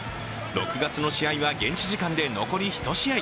６月の試合は現地時間で残り１試合。